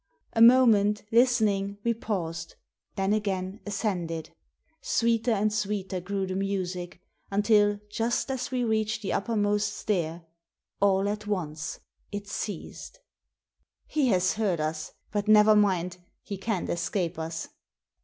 A moment, listening, we paused; then again ascended Sweeter and sweeter grew the music, until, just as we reached the uppermost stair, all at once it ceased "He has heard us! But, never mind, he can't escape us."